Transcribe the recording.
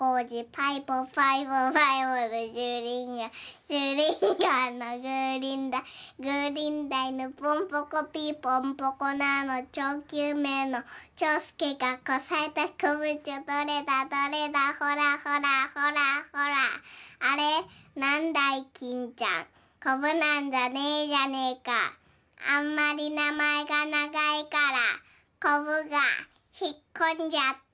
パイポパイポパイポのシューリンガンシューリンガンのグーリンダイグーリンダイのポンポコピーのポンポコナのちょうきゅうめいのちょうすけがこさえたこぶちゃどれだどれだほらほらほらほらあれなんだいきんちゃんこぶなんかねえじゃねえかあんまりなまえがながいからこぶがひっこんじゃった」。